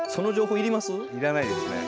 要らないですね。